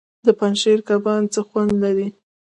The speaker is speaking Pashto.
د پنجشیر کبان څه خوند لري؟